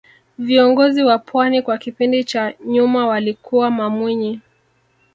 viongozi wa pwani kwa kipindi cha nyuma walikuwa mamwinyi